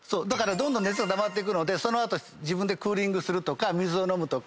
どんどん熱がたまってくのでその後自分でクーリングするとか水を飲むとか。